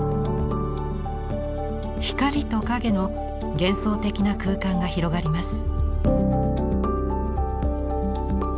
光と影の幻想的な空間が広がります。